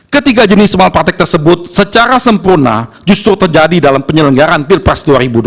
ketiga jenis malpraktik tersebut secara sempurna justru terjadi dalam penyelenggaran pilpres dua ribu dua puluh